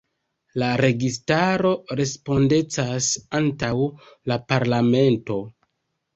La registaro respondecas antaŭ la parlamento.